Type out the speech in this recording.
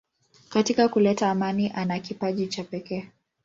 Katika kuleta amani ana kipaji cha pekee.